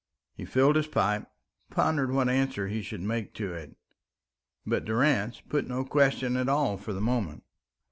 He filled his pipe, pondering what answer he should make to it. But Durrance put no question at all for the moment.